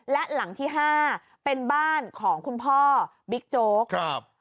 และหลังที่ห้าเป็นบ้านของคุณพ่อบิ๊กโจ๊กครับ